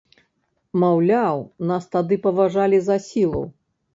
Маўляў, нас тады паважалі за сілу.